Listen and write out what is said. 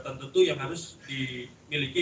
tentu itu yang harus dimiliki